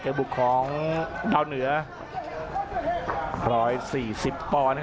อัศวินาศาสตร์